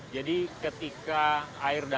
jadi ketika air dataran rendah